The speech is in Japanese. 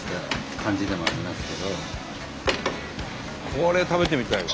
これ食べてみたいわ。